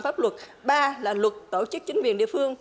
bất luật ba là luật tổ chức chính viên địa phương